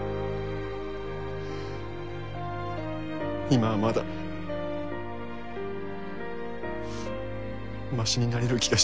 今はまだマシになれる気がしません。